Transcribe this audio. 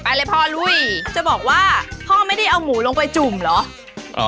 เลยพ่อลุยจะบอกว่าพ่อไม่ได้เอาหมูลงไปจุ่มเหรอ